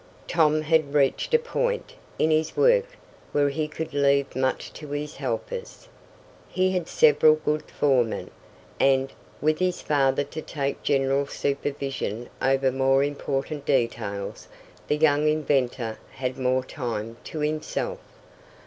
Tom had reached a point in his work where he could leave much to his helpers. He had several good foremen, and, with his father to take general supervision over more important details, the young inventor had more time to himself.